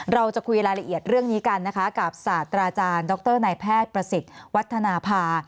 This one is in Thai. เราจะคุยรายละเอียดเรื่องนี้กันนะคะกับศาสตราจารย์ดรนายแพทย์ประสิทธิ์วัฒนภา